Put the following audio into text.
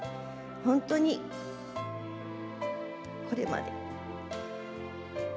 本当にこれまで。